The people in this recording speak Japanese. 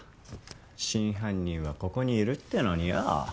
真犯人はここにいるってのによ。